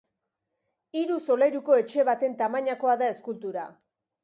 Hiru solairuko etxe baten tamainakoa da eskultura.